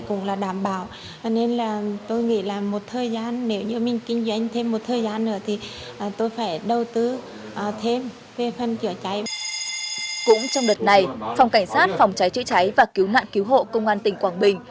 cũng trong đợt này phòng cảnh sát phòng cháy chữa cháy và cứu nạn cứu hộ công an tỉnh quảng bình